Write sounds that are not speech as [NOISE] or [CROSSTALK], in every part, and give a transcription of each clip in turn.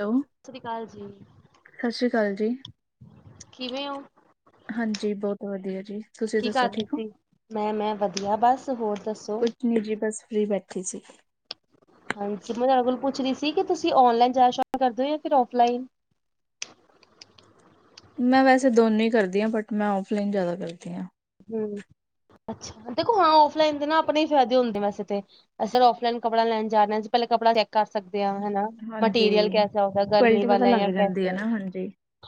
Hello, ਸਤਿ ਸ੍ਰੀ ਅਕਾਲ ਜੀ, ਸਤਿ ਸ਼੍ਰੀ ਅਕਾਲ ਜੀ। ਕਿਵੇਂ ਔਂ? ਹਾਂਜੀ ਬਹੁਤ ਵਧੀਆ ਜੀ ਤੁਸੀਂ ਕੀ ਦੱਸੋ ਕਰਦੇ ਠੀਕ ਹੋ ਸੀ, ਮੈਂ ਮੈਂ ਵਧੀਆ ਬਸ ਹੋਰ ਦੱਸੋ। ਨਿੱਜੀ ਬੱਸ ਫਰੀ ਬੈਠੀ ਸੀ‌। ਹਾਂਜੀ ਮੈਂ ਤੁਹਾਡੇ ਕੋਲ ਪੁੱਛ ਰਹੀ ਸੀ ਕਿ ਤੁਸੀਂ ਔਨਲਾਈਨ ਜ਼ਿਆਦਾ ਸ਼ਾਪਿੰਗ ਕਰਦੇ ਔਂ ਜਾਂ ਫਿਰ ਔਫਲਾਈਨ। ਮੈਂ ਵੈਸੇ ਦੋਨੋਂ ਈ ਕਰਦੀ ਆਂ। ਬਟ ਮੈਂ ਔਫਲਾਈਨ ਜ਼ਿਆਦਾ ਕਰਦੀ ਆਂ। ਹਮ, ਅੱਛਾ। ਦੇਖੋ ਹਾਂ ਔਫਲਾਈਨ ਦੇ ਨਾ ਆਪਣੇ ਈ ਫ਼ਾਇਦੇ ਹੁੰਦੇ ਵੈਸੇ ਤੇ। ਅਸਾ ਔਫਲਾਈਨ ਕੱੜਾ ਲੈਣ ਜਾਣਾ ਜੇ ਪਹਿਲਾਂ ਕੱਪੜਾ ਚੈੱਕ ਕਰ ਸਕਦੇ ਆ ਹੈਨਾ। ਮਟੀਰੀਅਲ ਹਾਂਜੀ ਕੈਸਾ [UNINTELLIGIBLE] ਗਰਮੀ ਕੁਆਲਿਟੀ ਪਤਾ ਵਾਲਾ ਏ ਲੱਗ ਜਾਂ ਜਾਂਦੀ ਹੈ ਕੇਸਾ ਏ। ਨਾ ਹਾਂਜੀ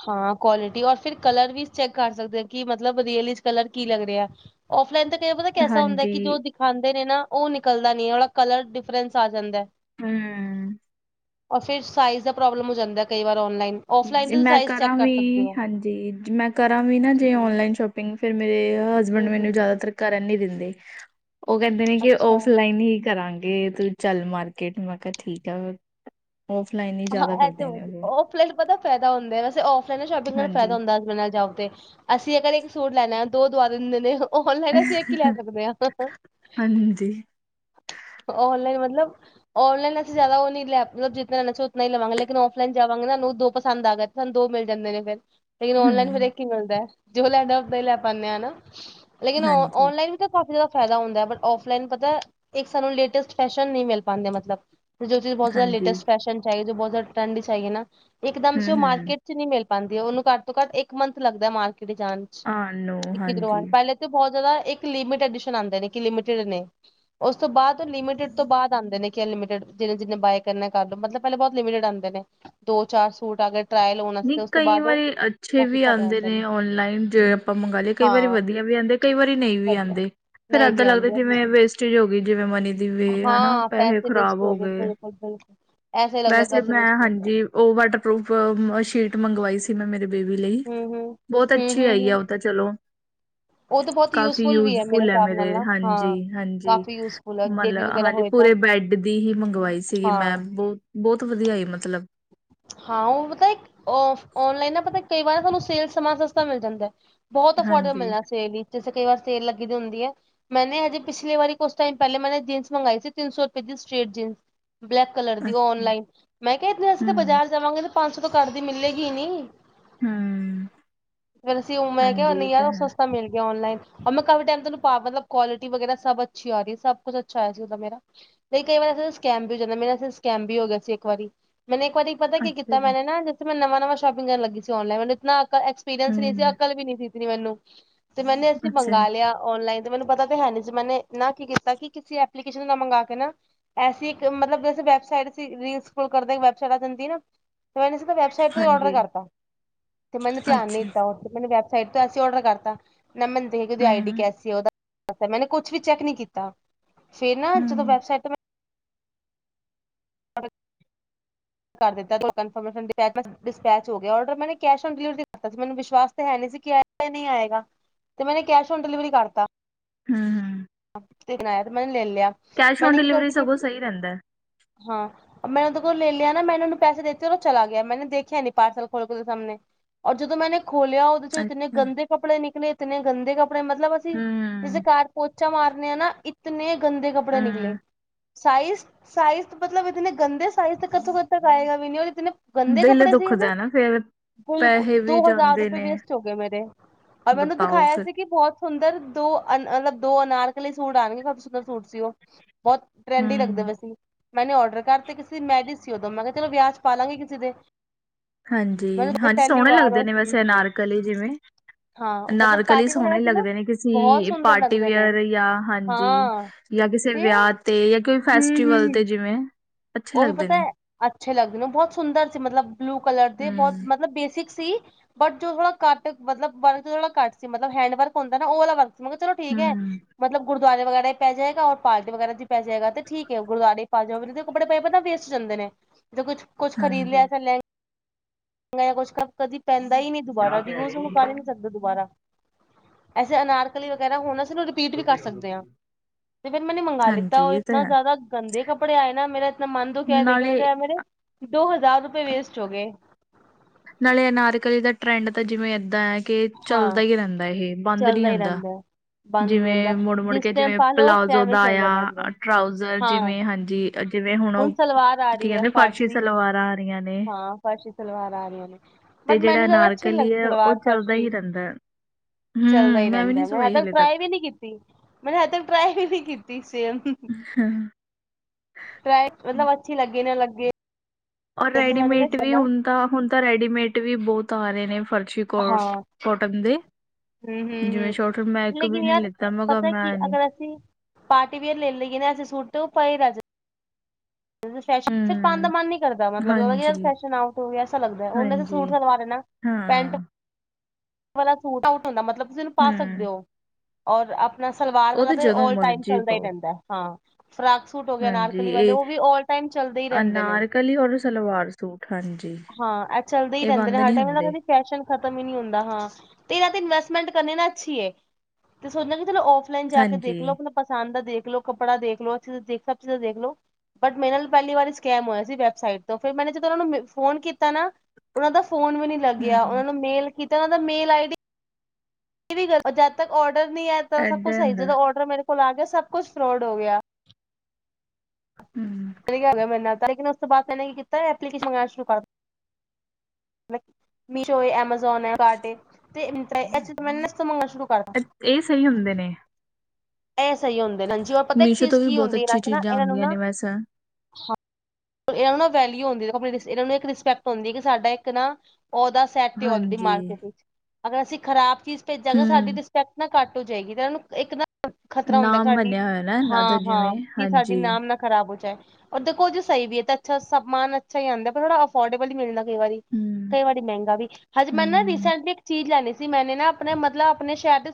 ਹਾਂ, ਕੁਆਲਿਟੀ। ਔਰ ਫਿਰ ਕਲਰ ਵੀ ਚੈੱਕ ਕਰ ਸਕਦੇ ਕਿ ਮਤਲਬ ਰਿਅਲ ਇਚ ਕਲਰ ਕੀ ਲੱਗ ਰਿਆ। ਔਫਲਾਈਨ ਤੇ ਕੇ ਪਤਾ ਕੈਸਾ ਹੁੰਦਾ ਹਾਂਜੀ ਕਿ ਜੋ ਦਿਖ ਖਾਂਦੇ ਨੇ ਨਾ ਓ ਨਿਕਲਦਾ ਨਈਂ ਏ, ਜੇੜਾ ਵਾਲਾ ਕਲਰ ਡਿਫਰੈਂਸ ਆ ਜਾਂਦਾ ਐ। ਹਂ ਔਰ ਫਿਰ ਸਾਈਜ਼ ਦਾ ਪ੍ਰੋਬਲਮ ਹੋ ਜਾਂਦਾ ਕਈ ਵਾਰ ਔਨਲਾਈਨ। ਔਫਲਾਈਨ ਜੇ ਤੇ ਮੈਂ ਸਾਈਜ਼ ਚੈੱਕ ਕਰਾਂ ਕਰ ਵੀ, ਸਕਦੇ ਹੋ। ਹਾਂਜੀ। ਜ, ਮੈਂ ਕਰਾਂ ਵੀ ਨਾ ਹਾਂਜੀ ਜੇ ਬਿਲਕੁਲ। ਔਨਲਾਈਨ ਸ਼ੋਪ ਫਿਰ ਮੇਰੇ ਹਸਬੈਂਡ, ਹੂੰ ਮੈਂਨੂੰ ਹੂੰ ਜ਼ਿਆਦਾਤਰ ਕਰਨ ਨੀ ਦਿੰਦੇ। ਓ ਕਹਿੰਦੇ ਨੇ ਕਿ ਅੱਛਾ ਔਫਲਾਈਨ ਹੀ ਕਰਾਂਗੇ। ਤੂੰ ਚੱਲ ਮਾਰਕੀਟ। ਮੈਂ ਕਿਹਾ ਠੀਕ ਆ ਔਫਲਾਈਨ ਈ ਜ਼ਿਆਦਾ ਕਰਦੇ ਨੇ ਉਹ। ਔਫਲਾਏਨ ਪਤਾ ਫੈਦਾ ਹੁੰਦਾ ਵੈਸੇ, ਔਫਲਾਈਨ ਸ਼ੋਪਿੰਗ ਨਾਲ ਫ਼ਾਇਦਾ ਹਾਂਜੀ ਹੁੰਦਾ ਹਸਬੇਂਡ ਨਾਲ ਜਾਓ ਤੇ। ਅਸੀਂ ਅਗਰ ਇੱਕ ਸੂਟ ਲੈਣਾ, ਦੋ ਦਵਾ ਦਿੰਦੇ ਨੇ ਉਹ। ਔਨਲਾਈਨ‌ ਅਸੀਂ ਏਕ ਹੀ ਲੈ ਸਕਦੇ ਆਂ, ਹ-ਹ। ਹਾਂਜੀ। ਔਨਲਾਈਨ ਮਤਲਬ, ਔਨਲਾਈਨ ਅਸੀ ਜ਼ਿਆਦਾ ਓ ਨੀ ਲੈ, ਮਤਲਬ, [UNINTELLIGIBLE] ਨਹੀਂ ਲਵਾਂਗੇ, ਲੇਕਿਨ ਔਫਲਾਈਨ ਜਾਵਾਂਗੇ ਨਾ, ਹਾਨੂੰ ਦੋ ਪਸੰਦ ਆਗੇ ਸਾਨੂੰ ਦੋ ਮਿਲ ਜਾਂਦੇ ਨੇ ਫਿਰ। ਲੇਕਿਨ ਔਨਲਾਈਨ ਫਿਰ ਹੂੰ। ਇੱਕ ਹੀ ਮਿਲਦਾ, ਜੋ ਲੈਦਾ ਓਦਾਂ ਲੈ ਪਾਨੇ ਆ ਨਾ, ਲੇਕਿਨ ਔ, ਹਾਂਜੀ, ਔਨਲਾਈਨ ਕਾਫੀ ਜ਼ਿਆਦਾ ਫ਼ਾਇਦਾ ਹੁੰਦਾ ਐ ਬਟ ਔਫਲਾਈਨ ਪਤਾ, ਇੱਕ ਸਾਨੂੰ ਲੇਟੈਸਟ ਫੈਸ਼ਨ ਨਹੀਂ ਮਿਲ ਪਾਂਦੇ, ਮਤਲਬ। ਜਦੋ ਚੀਜ਼ ਬਹੁਤ ਜ਼ਿਆਦਾ ਹਾਂਜੀ, ਲੇਟੈਸਟ ਫੈਸ਼ਨ 'ਚ ਆਈ, ਜੋ ਬਹੁਤ ਜ਼ਿਆਦਾ ਟਰੈਂਡ 'ਚ ਆਈ ਏ ਨਾ, ਇੱਕਦਮ ਸੇ ਓ, ਹੂੰ-ਹੂੰ ਮਾਰਕਿਟ ਓ'ਚ ਨੀ ਮਿਲ ਪਾਂਦੀ, ਉਹਨੂੰ ਘੱਟ ਤੋਂ ਘੱਟ ਇੱਕ ਮੰਥ ਲੱਗਦਾ ਮਾਰਕਿਟ ਈਚ ਆਣ'ਚ, ਆਣ ਨੂੰ ਇੱਕੀ ਦਿਨ ਹਾਂਜੀ। ਵਾਰ ਪਹਿਲੇ ਬਹੁਤ ਜ਼ਿਆਦਾ ਇੱਕ ਲਿਮਿਟ ਐਡੀਸ਼ਨ ਆਂਦੇ ਨੇ, ਕਿ ਲਿਮਿਟੇਡ ਨੇ। ਉਸ ਤੋਂ ਬਾਅਦ ਲਿਮੀਟਿਡ ਤੋਂ ਬਾਅਦ ਆਂਦੇ ਨੇ ਅਨਲਿਮਿਟਡ, ਜਿੰਨੇ-ਜਿੰਨੇ ਬਾਇ ਕਰਨੇ, ਕਰਲੋ ਮਤਲਬ ਪਹਿਲੇ ਬਹੁਤ ਲਿਮਿਟਡ ਆਂਦੇ ਨੇ, ਦੋ-ਚਾਰ ਸੂਟ ਆ ਗਏ ਨਹੀਂ ਕਈ ਵਾਰੀ ਅੱਛੇ ਕਾਫੀ ਵੀ ਸਾਰੇ ਆਂਦੇ ਆਉਂਦੇ ਨੇ ਔਨਲਾਈਨ, ਜਿਂਵੇ ਆਪਾਂ ਮੰਗਾ ਲੀਏ, ਕਈ ਵਾਰੀ ਹਾਂ ਵਧੀਆ ਵੀ ਆਂਦੇ। ਕਈ ਵਾਰੀ ਨਹੀਂ ਵੀ ਵਧੀਆ ਆਂਦੇ। ਫਿਰ ਨਹੀਂ ਵੀ ਏਦਾਂ ਲੱਗਦਾ ਆਉਂਦੇ ਆ ਬਿਲਕੁਲ ਜਿਵੇਂ ਵੇਸਟੇਜ ਹੋਗੀ ਜਿਵੇਂ ਮਨੀ ਦੀ ਵੀ ਹਨਾ, ਹਾਂ ਪੈਹੇ ਪੈਸੇ ਖ਼ਰਾਬ ਵੇਸਟ ਹੋ ਗਏ। ਬਿਲਕੁਲ ਬਿਲਕੁਲ ਐਸੇ ਲੱਗਦਾ ਵੈਸੇ ਪੈਸੇ ਮੈਂ, ਵੇਸਟ ਹੋ ਗਿਆ ਹਾਂਜੀ ਓ ਵਾਟਰਪਰੂਫ ਅਮ, ਸ਼ੀਟ ਮੰਗਵਾਈ ਸੀ ਮੈਂ ਮੇਰੇ ਬੇਬੀ ਲਈ, ਹਮ ਹਮ ਬਹੁਤ ਹਮ ਅੱਛੀ ਹਮ ਆਈ ਆ ਓ ਹਮ ਤਾਂ ਚਲੋ ਉਹ ਤਾਂ ਬਹੁਤ ਕਾਫ਼ੀ ਯੂਜਫੁਲ ਵੀ ਯੂਜ਼ਫੁਲ ਹੈ ਹਿਸਾਬ ਨਾਲ ਮੇਰੇ, ਨਾ ਹਾਂ ਹਾਂਜੀ-ਹਾਂਜੀ, ਕਾਫੀ ਯੂਜਫੁਲ ਹੈ ਬੇਬੀ ਮਤਲਬ ਵਗੈਰਾ ਹਾਂਜੀ ਹੋਏ ਤਾਂ ਪੂਰੇ ਬੈਡ ਦੀ ਹੀ ਮੰਗਵਾਈ ਸੀਗੀ ''ਮੈਂ ਹਾਂ ਬੋ, ਬੋਤ ਵਧੀਆ ਆਈ ਮਤਲਬ। ਹਾਂ, ਓ ਪਤਾ, ਔਫ, ਔਨਲਾਈਨ ਨਾ ਪਤਾ ਕਈ ਵਾਰ ਸਾਨੂੰ ਸੇਲ ਸਮਾਨ ਸਸਤਾ ਮਿਲ ਜਾਂਦਾ, ਬਹੁਤ ਅਫੋਰਡੇਬਲ ਹਾਂਜੀ ਮਿਲਣਾ ਸੇ ਵੀ। ਜਿੱਥੇ ਕਈ ਵਾਰ ਸੇਲ ਲੱਗੀ ਦੀ ਹੁੰਦੀ ਐ। ਮੈਂਨੇ ਅਜੇ ਪਿਛਲੀ ਵਰੀ ਕੁੱਛ ਟਾਈਮ ਪਹਿਲੇ ਮੈਂਨੇ ਜੀਨਸ ਮੰਗਾਈ ਸੀ, ਤਿੰਨ-ਸੌ ਰੁਪਏ ਦੀ ਸਟਰੇਟ ਜੀੰਨਸ। ਬਲੈਕ ਕਲਰ ਦੀ ਅੱਛਾ ਔਨਲਾਈਨ, ਮੈਂ ਕਿਹਾ, ' [UNINTELLIGIBLE] ਅਸੀਂ ਤੇ ਹਮ ਬਾਜ਼ਾਰ ਜਾਵਾਂਗੇ ਤੇ ਪੰਜ-ਸੌ ਤੋਂ ਘੱਟ ਦੀ ਮਿਲੇਗੀ ਨੀ। ਹਮ ਜ਼ਰਸੀ, ਓ ਮੈਂ ਕਿਹਾ ਹਾਂਜੀ ਇਹ ਨਹੀਂ ਯਾਰ ਤਾਂ ਓ ਹੈ ਸਸਤਾ ਮਿਲ ਗਿਆ, ਔਨਲਾਈਨ। 'ਆ ਮੈਂ ਕਾਫ਼ੀ ਟਾਈਮ ਤੋ ਓਹਨੁੰ ਨਾ, ਮਤਲਬ ਕੁਆਲਿਟੀ ਵਗੈਰਾ ਸਭ ਅੱਛੀ ਆ ਰਹੀ, ਸਭ ਕੁਛ ਅੱਛਾ ਆਇਆ ਸੀ, ਓਦਾਂ ਮੇਰਾ। ਨਹੀਂ, ਕਈ ਵਾਰ ਤਾਂ ਸਕੈਮ ਵੀ ਹੋ ਜਾਂਦਾ, ਮੇਰਾ ਤੇ ਸਕੈਮ ਵੀ ਹੋਗਿਆ ਸੀ, ਇੱਕ ਵਾਰੀ। ਮੈਂਨੇ ਇੱਕ ਵਰੀ ਪਤਾ ਕੀ ਅੱਛਾ ਕੀਤਾ, ਜੀ ਮੈਂਨੇ ਨਾ, ਜਸਟ ਮੈਂ ਨਵਾਂ-ਨਵਾਂ ਸ਼ੋਪਿੰਗ ਕਰਨ ਲੱਗੀ ਸੀ, ਔਨਲਾਈਨ ਮੈਂ ਨਾ, ਐਕਸਪੀਰੀਅੰਸ ਨਹੀਂ ਸੀ, ਹਮ ਅਕਲ ਵੀ ਨੀ ਸੀ ਇਤਨੀ ਮੈਂਨੂੰ, ਤੇ ਮੈਂਨੇ ਸੀ ਅੱਛਾ ਜੀ ਮੰਗਾ ਲਿਆ, ਔਨਲਾਈਨ। ਤੇ ਮੈਂਨੂੰ ਪਤਾ ਤੇ ਹੈਨੀ ਸੀ, ਮੈਂਨੇ ਨਾ, ਕੀ ਕੀਤਾ ਕੀ ਕਿਸੇ ਐਪਲੀਕੇਸ਼ਨ ਮੰਗਾਕੇ ਨਾ ਐਸੀ ਇੱਕ, ਮਤਲਬ ਵੈਸੇ ਵੈਬਸਾਈਟ ਸੀ, ਰੀਲ ਸਕਰੋਲ ਕਰਦੇ, ਵੈਬਸਾਈਟ ਆ ਜਾਂਦੀ ਨਾ। ਤੇ ਮੈਂਨੇ ਸਿੱਧਾ ਵੈਬਸਾਈਟ ਤੋਂ ਹੀ ਔਡਰ ਹਾਂਜੀ ਕਰਤਾ, ਤੇ ਮੈਂਨੇ ਧਿਆਨ ਨਹੀਂ ਅੱਛਾ ਦਿੱਤਾ, ਮੈਨੇ ਵੈਬ ਸਾਈਟ ਤੋਂ ਅਸੀਂ ਔਡਰ ਕਰਤਾ, ਨਾ ''ਮੈਂ ਦੇ ਕਿ ਉਹਦੀ ਆਈ-ਡੀ ਹਮ ਕੈਸੀ ' [INAUDIBLE] ' ਮੈਂਨੇ ਕੁਛ ਵੀ ਚੈੱਕ ਨੀ ਕੀਤਾ, ਫਿਰ ਨਾ, ਜਦੋਂ ਹਮ ਵੈਬਸਾਈਟ ਮੈਂ ' [INAUDIBLE] ਕਰ ਦਿੱਤਾ, [UNINTELLIGIBLE] ਡਿਸਪੈਚ, ਡਿਸਪੈਚ ਹੋਗਿਆ ਆਰਡਰ, ਮੈਂ ਨਾ ਕੈਸ਼ ਔਨ ਡਿਲੀਵਰੀ ਕਰਤਾ ਸੀ, ਮੈਨੂੰ ਵਿਸ਼ਵਾਸ ਤੇ ਹੈ ਨੀ ਸੀ ਕਿ ਐ ਨਹੀਂ ਆਏਗਾ, ਤੇ ਮੈਨੇ ਕੈਸ਼ ਓਨ ਡਿਲੀਵਰੀ ਕਰਤਾ। ਹੂੰ। ਦੇਨ ਆਯਾ, ਤੇ ਮੈ ਲੇ ਲਿਆ। ਕੈਸ਼ ਔਨ ਮੈਨੇ ਕੀ ਡਿਲੀਵਰੀ ਗਲਤੀ ਸਗੋਂ ਕੀਤੀ ਸਹੀ ਰਹਿੰਦੈ। ਹਾਂ। ਮੈਂ ਉਹਦੇ ਕੋਲੋ ਲੇਲਿਆ ਨਾ, ਮੈਂਨੇ ਉਹਨੂੰ ਪੈਸੇ ਦੈਤੇ ਉਹ ਚਲਾ ਗਿਆ, ਮੈਨੇ ਦੇਖਿਆ ਨੀ ਪਾਰਸਲ ਖੋਲਕੇ ੳਦੇ ਸਾਹਮਣੇ। ਔਰ ਜਦੋਂ ਮੈਂਨੇ ਖੋਲਿਆ‌ ਓ ੳਦੇ'ਚੋਂ ਇਤਨੇ ਅੱਛਾ ਗੰਦੇ ਕੱਪੜੇ ਨਿਕਲੇ, ਇਤਨੇ ਗੰਦੇ ਕੱਪੜੇ ਮਤਲਬ ਅਸੀਂ ਜਿਸ ਹਮ ਤਰਾ ਘਰ ਪੋਚ ਪੋਚਾ ਮਾਰਨੇ ਆ ਨਾ, ਇਤਨੇ ਗੰਦੇ ਕੱਪੜੇ ਨਿਕਲੇ ਹਮ ਸਾਈਜ਼ -ਸਾਈਜ਼ ਮਤਲਬ ਇਤਨੇ ਗੰਦੇ ਸਾਈਜ਼ ਤੇ, ਕੱਦੋਂ ਕੱਦ ਤੱਕ ਆਏਗਾ, ਵੀ ਨਹੀਂ ਔਰ ਇਤਨੇ ਗੰਦੇ ਦਿਲ ਕੱਪੜੇ ਸੀੇ ਏਦੇ, ਦੁਖਦਾ ਨਾ ਫੇਰ ਕੁਲ ਪੈਸੇ ਵੀ ਦੋ ਹਜ਼ਾਰ ਜਾਂਦੇ ਰੁਪਏ ਨੇ ਵੇਸਟ ਹੋ ਗਏ ਮੇਰੇ ਅਗਰ ਮੈਨੂੰ ਬਤਾਓ ਦਿਖਾਇਆ ਫਿਰ ਸੀ ਕਿ ਬਹੁਤ ਸੁੰਦਰ ਦੋ, ਅ ਅਲੱਗ ਦੋ ਅਨਾਰ ਕਲੀ ਸੂਟ ਆਉਣਗੇ, ਕਾਫੀ ਸੁੰਦਰ ਸੂਟ ਸੀ ਉਹ ਬਹੁਤ ਟਰੈਂਡੀ, ਲੱਗਦੇ ਹਮ ਪਏ ਸੀ। ਮੈਨੇ ਔਡਰ ਕਰ ਤੇ, ਕਿਸੇ ਦੀ ਮੈਰਿਜ਼ ਸੀ ਉਦੋ, ਮੈਂ ਕਿਹਾ, ਚਲੋ ਵਿਆਹ ਚ ਪਾ ਲਾਂਗੇ ਕਿਸੇ ਦੇ ਹਾਂਜੀ ਮੈਨੂੰ -ਹਾਂਜੀ ਪਹਿਲੀ ਸੋਹਣੇ ਵਾਰ ਲੱਗਦੇ ਉਸ ਨੇ, ਚੀਜ਼ ਵੈਸੇ ਤੇ ਅਨਾਰਕਲੀ ਜਿਵੇਂ ਹਾਂ ਮਤਲਬ ਅਨਾਰਕਲੀ, ਪਾਰਟੀ ਵਗੈਰਾ ਸੋਹਣੇ ਚ ਨਾ ਲੱਗਦੇ ਨੇ, ਬਹੁਤ ਕਿਸੀ ਸੁੰਦਰ ਪਾਰਟੀ ਲੱਗਦੇ ਨੇ ਵਿਯਰ ਯਾ ਹਾਂਜੀ, ਹਾਂ ਯਾ ਕਿਸੇ ਤੇ ਵਿਆਹ ਤੇ ਯਾ ਕੋਈ ਫੈਸਟੀਵਲ ਹੂੰ-ਹੂੰ ਤੇ ਜਿਵੇਂ ਅੱਛੇ ਉਹ ਵੀ ਲੱਗਦੇ ਪਤਾ ਨੇ, ਹੈ ਅੱਛੇ ਲੱਗਦੇ ਨੇ, ਉਹ ਬਹੁਤ ਸੁੰਦਰ ਸੀ, ਮਤਲਬ ਬਲੂ ਕਲਰ ਦੇ, ਹੂੰ, ਬਹੁਤ ਮਤਲਬ ਬੇਸਿਕ ਸੀ ਬਟ ਜੋ ਥੋੜਾ ਘਟ ਮਤਲਬ ਵਰਕ ਥੋੜਾ ਘਟ ਸੀ, ਮਤਲਬ ਹੈਂਡ ਵਰਕ ਹੁੰਦਾ ਨਾ, ਉਹ ਵਾਲਾ ਵਰਕ ਸੀ ਮੈ ਕਿਹਾ, ਚਲੋ ਠੀਕ ਐ ਹੂੰ, ਗੁਰਦੁਆਰੇ ਵਗੈਰਾ ਹੀ ਪੈ ਜਾਏਗਾ, ਔਰ ਪਾਰਟੀ ਵਗੈਰਾ ਚ ਪੈ ਜਾਏਗਾ, ਤੇ ਠੀਕ ਹੈ ਗੁਰਦੁਆਰੇ ਵੀ ਪਾ ਜਾਉ, ਕਪੜੇ ਪਏ ਨਾ ਵੇਸਟ ਹੋ ਜਾਂਦੇ ਨੇ, ਜੇ ਕੁਛ -ਕੁਛ ਖਰੀਦ ਲਿਆ ਹਾਂਜੀ, ਲੈਂ ਮੈਂ ਕੁਛ ਕਦੀ ਪੈਂਦਾ ਹੀ ਨਹੀਂ ਦੁਬਾਰਾ,, ਯੁਜ਼ ਉਹਨੂੰ ਕਰ ਹੀ ਨੀ ਸਕਦੇ ਦੁਬਾਰਾ, ਐਸੇ ਅਨਾਰਕਲੀ ਵਗੈਰਾ ਹੋਣਾ ਅਸੀਂ ਰਿਪੀਟ, ਵੀ ਕਰ ਸਕਦੇ ਹਾਂ ਤੇ ਫਿਰ ਮੈਨੇ ਮੰਗਵਾ ਲਿਤਾ, ਉਹ ਹਾਂਜੀ ਇਹ ਤਾਂ ਇਤਨਾ ਹੈ ਜ਼ਿਆਦਾ ਗੰਦੇ ਕੱਪੜੇ ਆਏ ਨਾ, ਮੇਰਾ ਇਤਨਾ ਮਨ ਦੁਖਿਆ ਨਾਲੇ ਕਿਵੇਂ ਕਿਹਾ ਮੇਰੇ ਦੋ, ਹਜ਼ਾਰ ਰੁਪਏ ਵੇਸਟ ਹੋ ਗਏ ਨਾਲੇ ਅਨਾਰਕਲੀ ਦਾ, ਟਰੈਂਡ ਤਾਂ ਜਿਵੇਂ ਏਦਾਂ ਹੈ, ਕੇ ਹਾਂ ਚੱਲਦਾ ਹੀ ਰਹਿੰਦਾ, ਇਹ ਬੰਦ ਨਹੀਂ ਚੱਲਦਾ ਹੀ ਹੁੰਦਾ। ਰਹਿੰਦਾ ਬੰਦ ਨੀ ਹੁੰਦਾ ਜਿਵੇਂ, ਮੁੜ -ਮੁੜ ਜਿਸ ਕੇ ਟਾਈਮ ਜਿਵੇਂ ਪਾ ਲਓ ਉਸ ਪਲਾਜੋ ਟਾਈਮ ਹੀ ਦਾ ਆਇਆ, ਚੱਲਦਾ ਰਹਿੰਦਾ ਟਰਾਊਜ਼ਰ ਹਾਂ ਜਿਵੇਂ ਹਾਂਜੀ। ਜਿਵੇਂ, ਹੁਣ ਉਹ ਸਲਵਾਰ ਆ ਕੀ ਰਹੀ ਹੈ ਕਹਿੰਦੇ, ਫਰਸ਼ੀ ਫਾਰਸੀ ਸਲਵਾਰਾਂ ਹੁੰਦੀਆਂ ਨੇ, ਹਾਂ ਫਾਰਸੀ ਸਲਵਾਰ ਆ ਰਹੀਆਂ ਨੇ ਬਟ ਤੇ ਜਿਹੜਾ ਮੈਨੂੰ ਜ਼ਿਆਦਾ ਅੱਛੀ ਨੀ ਅਨਾਰਕਲੀ ਲੱਗਦੀ ਏ, ਉਹ ਸਲਵਾਰ ਚਲਦਾ ਫਰਸ਼ੀ ਹੀ ਰਹਿੰਦਾ। ਚੱਲਦਾ ਹੂੰ ਹੀ ਮੈਂ ਵੀ ਨਈ, ਰਹਿੰਦਾ ਸਵਾਈ ਹਲੇੇ ਤੱਕ ਮੈਂ ਹੱਜੇ ਤੱਕ, ਟਰਾਈ ਵੀ ਨੀ ਕੀਤੀ ਸੇਮ ਹੂੰ ਟ੍ਰਾਈ ਮਤਲਬ, ਅੱਛੀ ਲੱਗੇ ਨਾ ਲੱਗੇਂ ਔਰ ਰੈਡੀਮੇਟ ਵੀ ਹੁਣ ਤਾਂ, ਹੁਣ ਤਾਂ ਰੈਡੀਮੇਟ ਵੀ, ਬਹੁਤ ਆ ਰਹੇ ਨੇ ਫਰਸ਼ੀ ਹਾਂ ਕੋਟਸ ਕੋਟਨ ਦੇ ਹੂੰ, ਹੂੰ, ਜਿਵੇਂ ਸ਼ੋਟ ਮੈਂ ਹੂੰ ਇੱਕ ਵੀ ਲੇਕਿਨ, ਨੀ ਯਾਰ ਲਿੱਤਾ ਮੈਂ ਕਿਹਾ ਪਤਾ ਕਿ ਮੈਂ ਨੀ ਅਗਰ ਅਸੀਂ ਪਾਰਟੀ ਵੀਅਰ ਲੈ ਲਈ ਏ ਨਾ, ਅਸੀ ਸੂਟ ਤੋਂ ਪਏ ਹੀ ਰਹਿਣ ਜਾ ਫੈਸ਼ਨ ਫਿਰ ਪਾਉਣ ਦਾ ਹੂੰ, ਮਨ ਨੀ ਕਰਦਾ, ਮਤਲਬ ਲਗਦਾ ਯਾਰ ਹਾਂਜੀ, ਫੈਸ਼ਨ ਆਊਟ ਹੋ ਗਿਆ, ਐਸਾ ਲੱਗਦਾ ਉਹਨੇੇ, ਹਾਂਜੀ, ਸੂਟ ਸਲਵਾ ਲੈਣਾ ਪੈਂਟ। ਹਾਂ, ਵਾਲਾ ਸੂਟ ਆਊਟ ਨੀ ਹੁੰਦਾ, ਮਤਲਬ ਤੁਸੀਂ ਇਹਨੂੰ ਪਾ ਸਕਦੇ ਹੂੰ, ਹੋ ਔਰ ਆਪ ਸਲਵਾਰ ਉਹ ਵਾਲਾ ਤੇ, ਜਦੋਂ ਉਲ ਟਾਈਮ ਮਰਜ਼ੀ ਚੱਲਦਾ ਹੀ ਪਾਓ। ਰਹਿੰਦਾ ਹਾਂ ਫਰਾਕ‌ ਸੂਟ ਹੋ ਗਿਆ ਹਾਂਜੀ, ਅਨਾਰਕਲੀ ਵਾਲੇ, ਉਹ ਇਹ ਵੀ ਔਲ ਟਾਈਮ, ਚੱਲਦੇ ਹੀ ਰਹਿੰਦੇ ਨੇ, ਅਨਾਰਕਲੀ ਔਰ ਸਲਵਾਰ ਸੂਟ ਹਾਂਜੀ, ਹਾਂ ਇਹ ਚੱਲਦੇ ਈ ਰਹਿੰਦੇ ਨੇ, ਬੰਦ ਹਰ ਨੀ ਟਾਈਮ ਇਹਨਾ ਦਾ, ਹੁੰਦੇ। ਕਦੇ ਫੈਸ਼ਨ ਖਤਮ ਹੀ ਨੀ ਹੁੰ ਦਾ ਹਾਂ, ਤੇ ਇਹਨਾਂ ਤੇ ਇਨਵੈਸਟਮੈਂਟ ਕਰਨੀ ਨਾ ਅੱਛੀ ਏ ਤੇ ਸੋਚ ਨੇ ਆ ਚਲੋ ਔਨਲਾਈਨ ਜਾ ਕੇ ਹਾਂਜੀ, ਦੇਖ ਲੋ, ਆਪਣਾ ਪਸੰਦ ਦਾ ਦੇਖ ਲੋੋ, ਕੱਪੜਾ ਦੇਖ ਲੋ ਅਛੀ ਦੇਖ ਲੋ ਸਭ ਚੀਜ਼ਾਂ ਦੇਖ ਲੋੋ ਬਟ ਮੇਰੇ ਨਾਲ, ਪਹਿਲੀ ਵਾਰੀ ਸਕੈਮ ਹੋਇਆ ਸੀ। ਵੈਬਸਾਈਟ ਤੋਂ ਫੇਰ ਜਦੋਂ ਮੈ, ਫੋਨ ਕੀਤਾ ਨਾ ਉਹਨਾਂ ਦਾ ਫੋਨ ਵੀ ਨੀ ਲੱਗਿਆ, ਹੂੰ, ਉਹਨਾਂ ਨੂੰ ਮੇਲ ਕੀਤਾ ਨਾ ਉਹਨਾਂ ਦਾ ਮੇਲ ਆਈਡੀ ਵੀ ਜਦ ਤੱਕ ਔਡਰ ਨਹੀਂ ਆਇਆ ਤਾਂ, ਸਭ ਕੁਛ ਏਦਾਂ ਸਹੀ ਹੁੰਦਾ ਜਦੋਂ ਔਡਰ ਮੇਰੇ ਕੋਲ, ਆ ਗਿਆ ਸਭ ਕੁਛ ਫਰੋਡ ਹੋ ਗਿਆ ਹਮ [INAUDIBLE] ਮੀਸ਼ੋ ਏ ਐਮਾਜ਼ੋਨ ਹੈ ਕਾਰਟ ਏ ਤੇ, ਅੱਛਾ ਤੇ ਮੈਂ ਨਾ, ਇਸ ਤੋਂ ਮੰਗਣਾ ਸ਼ੁਰੂ ਕਰ ਇਹ ਸਹੀ ਹੁੰਦੇ ਨੇ ਇਹ ਸਹੀ ਹੁੰਦੇ ਨਾ ਜੀ ਹੋਰ ਪਤਾ ਇੱਕ ਮੀਸ਼ੋ ਤੋਂ ਚੀਜ਼ ਵੀ ਕੀ ਬਹੁਤ ਹੁੰਦੀ, ਇਹ ਅੱਛੀ ਚ ਨਾ ਚੀਜ਼ਾਂ ਇਹਨਾਂ ਨੂੰ ਆਉਂਦੀਆਂ ਨਾ ਨੇ ਵੈਸੇ। ਇਹਨਾਂ ਨੂੰ ਨਾ ਵੈਲਿਊ ਆਉਂਦੀ ਆਪ ਇਹ ਨੂੰ ਇੱਕ ਰਿਸਪੈਕਟ ਹਉਂਦੀ ਹੈ, ਕਿ ਸਾਡਾ ਇੱਕ ਨਾ ਉਹਦਾ ਰਿਸਪੈਕਟ ਐ ਔਲਰੇਡੀ ਹਾਂਜੀ ਮਾਰਕੀਟ ਵਿੱਚ, ਅਗਰ ਅਸੀਂ ਖ਼ਰਾਬ ਚੀਜ਼ ਭੇਜਾਂਗੇ ਸਾਡੀ ਹੂੰ ਰਿਸਪੈਕਟ ਨਾ ਘੱਟ ਹੋ ਜਾਏਗੀ ਤੇ ਇਹਨਾਂ ਨੂੰ ਇੱਕ ਨਾ ਖ਼ਤਰਾ ਹੁੰਦਾ, ਨਾਮ ਸਾਡੀ ਬਣਿਆ ਹੋਇਆ ਨਾ ਇਹਨਾਂ ਦਾ ਹਾਂ ਹਾਂ ਜਿਵੇਂ ਕਿ ਸਾਡੀ ਹਾਂਜੀ ਨਾਮ ਨਾ ਖਰਾਬ ਹੋ ਜਾਏ, ਹੋਰ ਦੇਖੋ ਜੋ ਸਹੀ ਵੀ ਹੈ ਤਾਂ ਅੱਛਾ ਸ ਸਮਾਨ ਅੱਛਾ ਹੀ ਆਂਦਾ ਪਰ ਅਫੋਰਡੇਬਲ ਮਿਲਣਾ ਕਈ ਵਾਰੀ ਹੂੰ ਕਈ ਵਾਰੀ ਮਹਿੰਗਾ ਵੀ ਹਜੇ ਮੈਂ ਨਾ ਹੂੰ ਰੀਸੈਂਟਲੀ ਇੱਕ ਚੀਜ਼ ਲੈਣੀ ਸੀ ਸੀ ਮੈਨੇ ਨਾ ਆਪਣੇ ਮਤਲਬ ਆਪਣੇ ਸ਼ਹਿਰ ਦੇ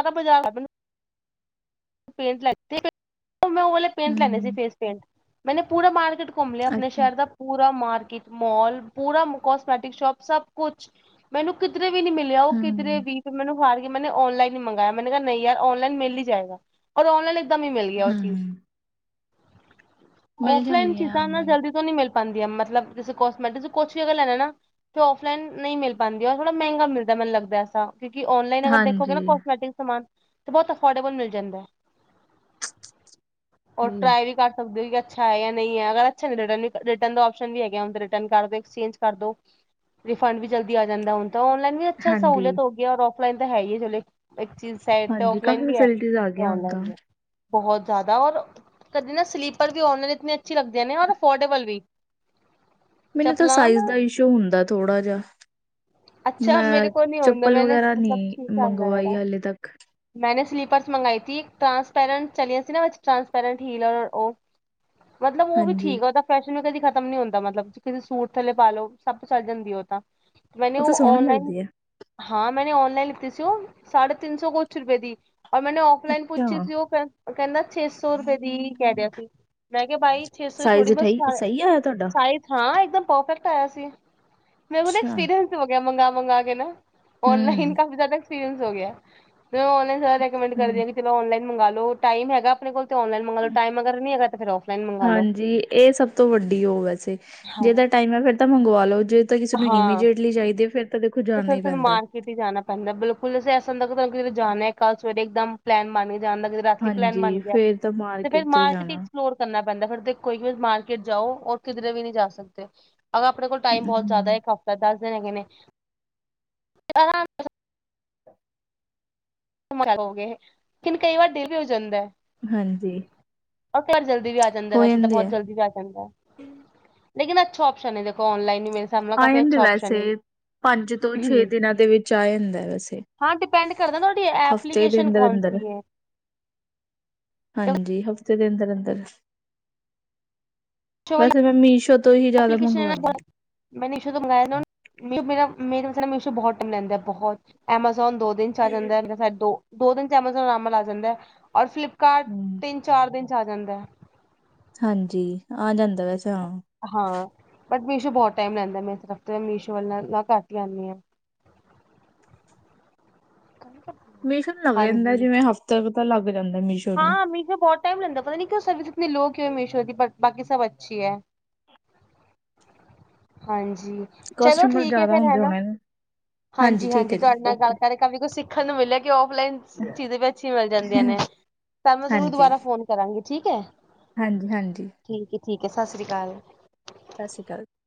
ਸਾਰਾ ਬਜ਼ਾਰ ਪੇਂਟ ਲੈ ਮੈਂ ਉਹ ਵਾਲੇ ਪੇਂਟ ਲੈਣੇ ਸੀ ਹੂੰ ਫੇਸ ਪੇਂਟ ਮੈੇਨੇ ਪੂਰਾ ਮਾਰਕੀਟ ਘੁੰਮ ਲਿਆ ਆਪਣੇ ਅੱਛਾ ਸ਼ਹਿਰ ਦਾ ਪੂਰਾ ਮਾਰਕੀਟ ਮਾਲ ਪੂਰਾ ਕੋਸਮੈਟਿਕ ਸ਼ੋਪ ਸਭ ਕੁਛ ਮੈਨੂੰ ਕਿਧਰੇ ਵੀ ਨੀ ਮਿਲਿਆ ਉਹ ਕਿਧਰੇ ਹੂੰ ਵੀ ਤੇ ਮੈਨੂੰ ਹਾਰ ਔਨਲਾਈਨ ਹੀ ਮੰਗਾਇਆ ਮੈਂਨ ਕਿਹਾ ਨਹੀਂ ਯਾਰ ਨਲਾਈਨ ਮਿਲ ਹੀ ਜਾਏਗਾ, ਔਰ ਔਨਲਾਈਨ ਇਕਦਮ ਹੀ ਮਿਲ ਗਿਆ ਉਹ ਚੀਜ਼ ਹੂੰ ਮਿਲ ਔਫਲਾਈਨ ਜਾਂਦੀ ਹੈ ਚੀਜ਼ਾਂ ਨਾ ਔਨਲਾਈਨ ਜਲਦੀ ਤੋਂ ਨੀ ਮਿਲ ਪਾਉਦੀਆਂ ਮਤਲਬ ਜ ਕੋਸਮੈਟਿਕ, ਕੁਛ ਵੀ ਅਗਰ ਲੈਣਾ ਨਾ ਔਫਲਾਈਨ ਨਹੀਂ ਮਿਲ ਪਾਦੀ ਔਰ ਥੋੜਾ ਮਹਿੰਗਾ ਮਿਲਦਾ ਮੈਨੂੰ ਲੱਗਦਾ ਐਸਾ ਕਿਉਂਕ ਔਨਲਾਈਨ ਅਗਰ ਦੇਖੋਗੇ ਨਾ ਹਾਂਜੀ ਕੋਸਮੈਟਿਕ ਸਮਾਨ ਤੇ ਬਹੁਤ ਅਫੋਰਡੇਬਲ ਮਿਲ ਜਾਂਦਾ ਹੈ ਉਹ ਸਹੀ ਹੈ ਟਰਾਏ ਵੀ ਸਕਦੇ ਹੋ, ਅੱਛਾ ਹੈ ਜਾਂ ਨਹੀਂ ਹੈ ਅਗਰ ਅੱਛਾ ਨੀ ਹੈ ਰਿਟਰਨ ਕਰ ਦੋ ਐਕਸਚੇਂਜ ਕਰ ਦੋ ਰਿਫੰਡ ਵੀ ਜਲਦੀ ਆ ਜਾਂਦਾ, ਹੁਣ ਤਾਂ ਔਨਲਾਈਨ ਵੀ ਅੱਛਾ ਹਾਂਜੀ ਸਹੂਲਅਤ ਹੋ ਗਈ ਔਰ ਔਫਲਾਈਨ ਤਾਂ ਹੈ ਹੀ ਹੈ ਚਲੇ ਇੱਕ ਚੀਜ਼ ਸਾਈਟ ਤੇ ਹਾਂਜੀ ਔਫਲਾਈਨ ਕਾਫੀ ਵੀ ਹੈ ਫੈਸਿਲਿਟੀਜ਼ ਆ ਤੇ ਗਈਆਂ ਹੁਣ ਔਨਲਾਈਨ ਤਾਂ ਵੀ ਬਹੁਤ ਜ਼ਿਆਦਾ ਔਰ ਕਦੀ ਨਾ ਸਲੀਪਰ ਵੀ ਔਨਲਾਈਨ ਇਤਨੇ ਅੱਛੇ ਲਗਦੇ ਨੇ ਔਰ ਅਫੋਰਡੇਬਲ ਵੀ ਮੈਨੂੰ ਤਾਂ ਚੱਪਲਾਂ ਸਾਈਜ਼ ਨਾ ਦਾ ਇਸ਼ੂ ਹੁੰਦਾ ਥੋੜ੍ਹਾ ਜਿਹਾ ਅੱਛਾ ਮੈਂ ਮੇਰੇ ਕੋਲ ਨਹੀਂ ਹੁੰਦਾ ਚੱਪਲ ਮੈਨੇ ਵਗੈਰਾ ਮਤਲਬ ਨਹੀਂ ਠੀਕ ਆਂਦਾ ਮੰਗਵਾਈ ਮੇਰਾ ਹਾਲੇ ਤੱਕ ਮੈਂਨੇ ਸਲੀਪਰਸ ਮੰਗਾਈ ਥੀ ਇੱਕ ਟ੍ਰਾਂਸਪੈਰੈਂਟ ਚਲੀਆਂ ਸੀ ਨਾ ਟ੍ਰਾਂਸਪੈਰੈਂਟ ਹੀਲ ਔਰ ਉਹ ਮਤਲਬ ਉਹ ਵੀ ਹਾਂਜੀ ਠੀਕ ਆ ਉਹਦਾ ਫੈਸ਼ਨ ਨੂੰ ਕਦੀ ਖ਼ਤਮ ਨੀ ਹੁੰਦਾ ਮਤਲਬ ਕਿਸੇ ਸੂਟ ਥੇ ਪਾਾਲਓ ਸਭ ਚੱਲ ਜਾਂਦੀ ਉਹ ਤਾਂ ਉਹ ਮੈਨੂੰ ਤਾਂ ਸੋਹਣੀ ਔਨਲਾਈਨ ਲੱਗਦੀ ਹੈ ਹਾਂ ਮੈਂਨੇ ਔਨਲਾਈਨ ਲਿੱਤੀ ਸੀ ਉਹ ਸਾਢੇ ਤਿੰਨ ਸੌ ਕੁਛ ਰੁਪਏ ਦੀ ਔਰ ਮੈਨੇ ਔਫਲਾਈਨ ਪੁੱਛੀ ਅੱਛਾ ਸੀ ਉਹ ਕਹ ਕਹਿੰਦਾ ਛੇ ਸੌ ਰੁਪਏ ਦੀ ਕਹਿ ਦਿਆ ਸੀ, ਮੈਂ ਕਿਹਾ ਬਾਈ ਛੇ ਸੌ ਥੜੀ ਸਾਈਜ਼ ਬਹੁਤ ਸਹੀ ਸ ਸਹੀ ਆਇਆ ਤੁਹਾਡਾ ਸਾਇਜ਼ ਹਾਂ ਇੱਕਦਮ ਪਰਫੈਕਟ ਆਇਆ ਸੀ ਮੈਨੂੰ ਨਾ ਅੱਛਾ ਐਕਸਪੀਰੀਅੰਸ ਹੋ ਗਿਆ ਮੰਗਾ ਮੰਗਾ ਕੇ ਨਾ ਔਨਲਾਈਨ ਹੂੰ ਕਾਫੀ ਜ਼ਿਆਦਾ ਐਕਸਪੀਰੀਅੰਸ ਹੋ ਗਿਆ ਤੇ ਔ ਔਨਲਾਈਨ ਜ਼ਯਾਦਾ ਰਿਕਮੈਂਡ ਹੂੰ ਕਰਦੇ ਨੇ ਔਨਲਾਈਨ ਮੰਗਵਾ ਲੋ ਟਾਈਮ ਹੈਗਾ ਆਪਣੇ ਕੋਲ ਤੇ ਔਨਲਾਈਨ ਮੰਗਾ ਲੋ, ਟਾਈਮ ਅਗਰ ਨੀ ਹੈਗਾ ਤੇ ਫਿਰ ਔਫਲਾਈਨ ਮੰਗਵਾ ਲੋ ਹਾਂਜੀ ਇਹ ਸਭ ਤੋਂ ਵੱਡੀ ਉਹ ਵੈਸੇ ਹਾਂ ਜੇ ਤਾਂ ਟਾਈਮ ਹੈ ਫੇਰ ਤਾਂ ਮੰਗਵਾ ਲੋ, ਜੇ ਤਾਂ ਕਿਸੇ ਨੂੰ ਹਾਂ ਇਮੀਜਟਲੀ ਚਾਹੀਦੀ ਐ ਫਿਰ ਤਾਂ ਦੇਖੋ ਤੇ ਜਾਣਾ ਫੇਰ ਹੀ ਤੈਨੂੰ ਪੈਂਦਾ। ਹੈ। ਮਾਰ ਕਿਤੇ ਜਾਣਾ ਪੈਂਦਾ ਬਿਲਕੁਲ ਅਂ ਐਸਾ ਹੁੰਦਾ ਕਿ ਤੁਹਾਨੂੰ ਕਿਤੇ ਜਾਣਾ ਕੱਲ ਸਵੇਰੇ, ਇੱਕਦਮ ਪਲੈਨ ਬਣ ਕੇ ਜਾਣ ਦਾ ਰਾਤੀ ਪਲੈਨ ਬਣ ਹਾਂਜੀ ਗਿਆ ਫੇਰ ਤਾਂ ਤੇ ਫਿਰ ਤੋਂ ਹੀ ਮਾਰਕੀਟ ਜਾਣਾ। ਐਕਸਪਲੋਰ ਕਰਨਾ ਪੈਂਦਾ, ਫਿਰ ਤੇ ਕੋਈ ਵੀ ਮਾਰਕੀਟ ਜਾਓ ਔਰ ਕਿਧਰੇ ਵੀ ਨਹੀਂ ਜਾ ਸਕਦੇ ਅਗਰ ਆਪਣੇ ਕੋਲ ਟਾਈਮ ਬਹੁਤ ਜ਼ਿਆਦਾ ਹੂੰ ਇੱਕ ਹਫ਼ਤਾ ਦਸ ਦਿਨ ਹੈਗੇ ਨੇ [UNINTELLIGIBLE] ਹੋ ਗਏ ਕਿਹਨ ਕਈ ਵਾਰ ਡੇ ਵੀ ਹੋ ਜਾਂਦਾ ਹਾਂਜੀ ਉਹ ਘਰ ਜਲਦੀ ਵੀ ਆ ਜਾਂਦਾ, ਹੋ ਵੈਸੇ ਤਾਂ ਜਾਂਦੇ ਬਹੁਤ ਜਲਦੀ ਵੀ ਆ ਜਾਂਦਾ ਹੈ ਲੇਕਿਨ ਅੱਛਾ ਓਪਸ਼ਨ ਹੈ ਦੇੋਖੋ ਔਨਲਾਈਨ ਵੀ ਮ ਆ ਜਾਂਦੇ ਵੈਸੇ ਪੰਜ ਤੋਂ ਛੇ ਦਿਨਾਂ ਦੇ ਵਿੱਚ ਆ ਜਾਂਦਾ ਵੈਸੇ ਹਾਂ ਡਿਪੈਂਡ ਕਰਦਾ ਤੁਹਾਡੀ ਹਫ਼ਤੇ ਦੇ ਐਪਲੀਕੇਸ਼ਨ ਅੰਦਰ ਕੌਣ ਅੰਦਰ ਸੀ ਹੈ। ਹਾਂਜੀ ਹਫ਼ਤੇ ਦੇ ਅੰਦਰ ਅੰਦਰ ਵੈਸੇ ਮੈਂ ਮੀਸ਼ੋ ਤੋਂ ਹੀ ਜਿਆਦਾ ਮੰਗਵਾਉਦੀ ਹਾਂ। ਮੈ ਮੈਸ਼ੋ ਤੋਂ ਮੰਗਾਇਆ ਨਾ ਮੇਰਾ ਮਿਸੋ ਮੇਰਾ ਬਹੁਤ ਟਾਈਮ ਲੈਂਦਾ ਬਹੁਤ ਐਮਾਜ਼ੋਨ ਦੋ ਦਿਨ ਚ ਆ ਜਾਂਦਾ ਦੋ ਦੋ ਦਿਨ ਚ ਐਮਾਜ਼ੋਨ ਨੋਰਮਲ ਆ ਜਾਂਦਾ ਹੈ ਔਰ ਫਲਿਪ ਕਾਰਟ ਹੂੰ ਤਿੰਨ ਚਾਰ ਦਿਨ ਚ ਆ ਜਾਂਦਾ ਹੈ। ਹਾਂਜੀ ਆ ਜਾਂਦਾ ਵੈਸੇ ਹਾਂ। ਹਾਂ ਬਟ ਮੀਸ਼ੋ ਬਹੁਤ ਟਾਈਮ ਲੈਂਦਾ ਮੈਂ ਹਫ਼ਤੇ ਮੀਸ਼ੋ ਵੱਲ ਨਾਲ ਘਟ ਹੀ ਆਉਂਦੀ ਹਾਂ। [INAUDIBLE] ਮਿਸ਼ੂ ਲੱਗ ਜਾਂਦਾ ਹਾਂਜੀ ਜਿਵੇਂ ਹਫ਼ਤੇ ਤਾਂ ਲੱਗ ਜਾਂਦਾ ਮਿਸ਼ੂ ਹਾਂ ਮੀਸ਼ੋ ਬਹੁਤ ਟਾਈਮ ਲੈਂਗਦਾ ਪਤਾ ਨੀ ਕਿ ਉਹ ਸਰਵਿਸ ਇਤਨੀ ਲੋ ਕਿਉਂ ਮੀਸ਼ੋ ਦੀ ਪਰ ਬਾਕੀ ਸਭ ਅੱਛੀ ਹੈ। ਹਾਂਜੀ ਚਲੋ ਕਸਟਮਰ ਠੀਕ ਹੈ ਜ਼ਿਆਦਾ ਫੇਰ ਹੈ ਹੁੰਦੇ ਨਾ ਹੋਣੇ ਹਾਂਜੀ ਠੀਕ ਹਾਂਜੀ ਹੈ ਜੀ ਤੁਹਾਡੇ ਨਾਲ ਗੱਲ ਓਕੇ ਕਰਕੇ ਕੀ ਕੁਛ ਸਿੱਖਣ ਨੂੰ ਮਿਲਿਆ ਕਿ ਔਫਲਾਈਨ ਚੀਜ਼ਾਂ ਵੀ ਅੱਛੀਆਂ ਮਿਲ ਜਾਂਦੀਆਂ ਨੇ। ਤਾਂ ਮੈਂ ਜ਼ਰੂਰ ਹਾਂਜੀ ਦੁਬਾਰਾ ਫੋਨ ਕਰਾਂਗੀ ਠੀਕ ਹੈ। ਹਾਂਜੀ -ਹਾਂਜੀ। ਠੀਕ ਈ ਠੀਕ ਹੈ ਸਤਿ ਸ਼੍ਰੀ ਅਕਾਲ। ਸਤਿ ਸ਼੍ਰੀ ਅਕਾਲ।